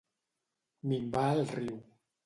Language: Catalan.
Minvar el riu.